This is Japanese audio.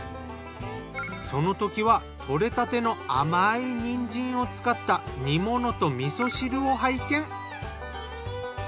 そのときは採れたての甘いにんじんを使った煮物と味噌汁を拝見。